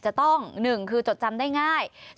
จะต้อง๑คือจดจำได้ง่าย